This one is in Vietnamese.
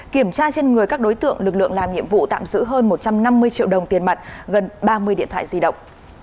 kiểm tra trên người các đối tượng lực lượng làm nhiệm vụ tạm giữ hơn một trăm năm mươi triệu đồng tiền mặt gần ba mươi điện thoại di động